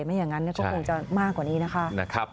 ไม่อย่างนั้นก็คงจะมากกว่านี้นะคะ